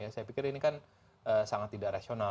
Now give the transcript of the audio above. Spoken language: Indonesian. saya pikir ini kan sangat tidak rasional